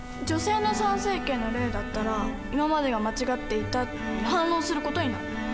女性の参政権の例だったら今までが間違っていたって反論する事になる。